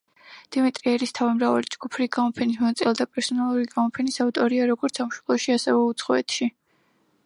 დიმიტრი ერისთავი მრავალი ჯგუფური გამოფენის მონაწილე და პერსონალური გამოფენის ავტორია, როგორც სამშობლოში, ასევე უცხოეთში.